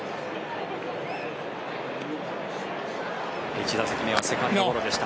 １打席目はセカンドゴロでした。